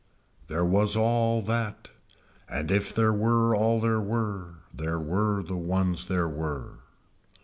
There was all that and if there were all there were there were the ones there were.